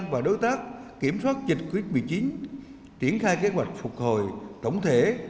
và đối tác kiểm soát dịch covid một mươi chín triển khai kế hoạch phục hồi tổng thể